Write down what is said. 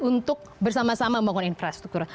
untuk bersama sama membangun infrastruktur